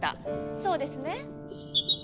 そうですね？